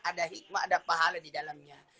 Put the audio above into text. ada hikmah ada pahala di dalamnya